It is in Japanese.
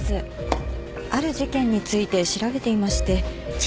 ある事件について調べていまして。